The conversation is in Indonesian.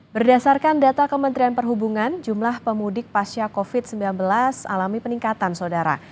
berdasarkan data kementerian perhubungan jumlah pemudik pasca covid sembilan belas alami peningkatan saudara